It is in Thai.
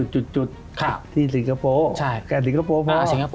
จุดที่สิงคโปร์แก่สิงคโปร์พอ